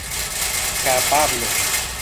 kapablo